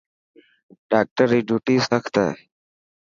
ڊاڪٽر ري ڊوٽي سخت هي.